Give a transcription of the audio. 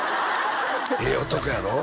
ええ男やろ？